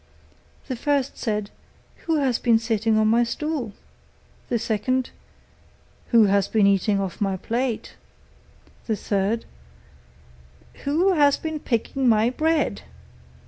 The first said, 'Who has been sitting on my stool?' The second, 'Who has been eating off my plate?' The third, 'Who has been picking my bread?